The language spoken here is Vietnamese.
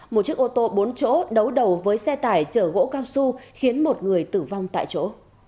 một chiếc ô tô bốn chỗ đấu đầu với xe tải chở gỗ cao su khiến một người tử vong tại chỗ